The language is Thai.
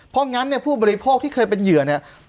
เพราะงั้นเนี่ยผู้บริโภคที่เคยเป็นเหยื่อเนี่ย